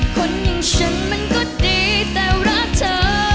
คนอย่างฉันมันก็ดีแต่รักเธอ